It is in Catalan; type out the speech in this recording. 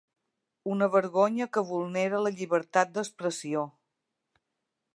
Una vergonya que vulnera la llibertat d’expressió!